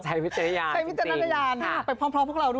ใช้พิจารณะรรยาน